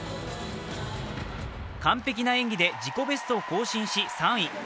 完璧な演技で自己ベストを更新し３位。